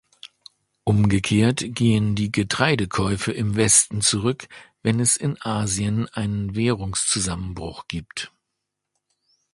Umgekehrt gehen die Getreidekäufe im Westen zurück, wenn es in Asien einen Währungszusammenbruch gibt.